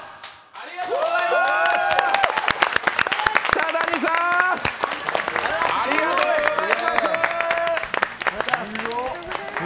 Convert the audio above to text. ありがとうございます！